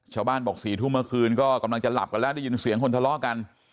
ชาวบ้านบอก๔ทุ่มเมื่อคืนก็กำลังจะหลับกันแล้วได้ยินเสียงคนทะเลาะกัน